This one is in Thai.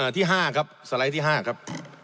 ที่๕ครับ